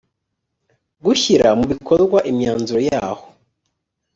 gushyira mu bikorwa imyanzuro yaho